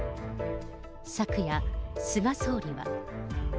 昨夜、菅総理は。